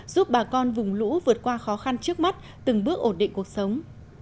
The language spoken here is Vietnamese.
giúp bà con vùng lũ vượt qua khó khăn trước mắt từng bước ổn định cuộc sống